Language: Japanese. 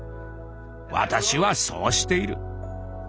私はそうしている。